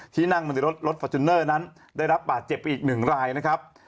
ที่นั่งมาในรถฟอร์จูเนอร์นั้นได้รับบาดเจ็บไปอีกหนึ่งรายนะครับ